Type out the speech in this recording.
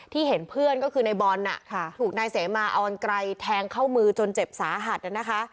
เห็นเพื่อนก็คือในบอลถูกนายเสมาออนไกรแทงเข้ามือจนเจ็บสาหัสนะคะ